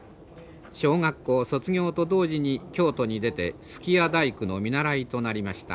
小学校卒業と同時に京都に出て数寄屋大工の見習いとなりました。